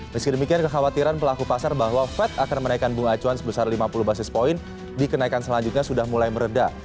meski demikian kekhawatiran pelaku pasar bahwa fed akan menaikkan bunga acuan sebesar lima puluh basis point di kenaikan selanjutnya sudah mulai meredah